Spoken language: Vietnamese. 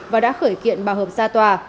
và đã khởi kiện bà hợp ra tòa